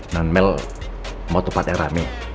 nan mel mau tempat yang rame